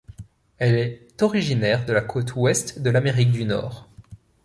Elle est originaire de la côte ouest de l’Amérique du Nord.